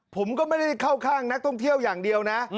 ผมก็ไม่ได้เข้าข้างนักท่องเที่ยวอย่างเดียวนะ